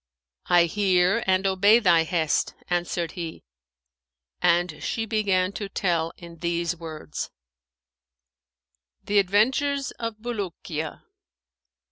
"I hear and obey thy hest," answered he; and she began to tell in these words, The Adventures of Bulukiya.